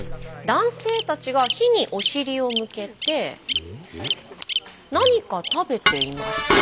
男性たちが火にお尻を向けて何か食べています。